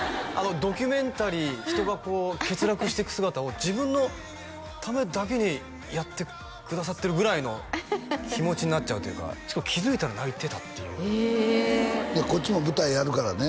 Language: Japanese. ドキュメンタリー人がこう欠落していく姿を自分のためだけにやってくださってるぐらいの気持ちになっちゃうというかしかも気づいたら泣いてたっていうこっちも舞台やるからね